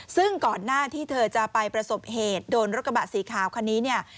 ซึ่งก่อนหน้าที่เธอจะไปประสบเหตุโดนรถกระบะสีขาวคันนี้เนี่ย